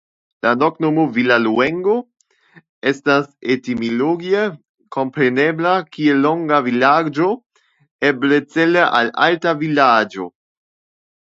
La loknomo "Villarluengo" estas etimologie komprenebla kiel "Longa Vilaĝo" eble cele al "Alta Vilaĝo".